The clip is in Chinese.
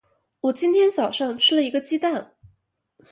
我今天早上吃了一个鸡蛋。